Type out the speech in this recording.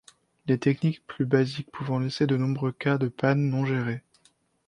Les techniques plus basiques pouvant laisser de nombreux cas de pannes non gérés.